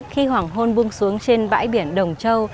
khi hoàng hôn xuống trên bãi biển đồng châu